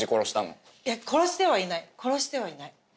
いや殺してはいない殺してはいない。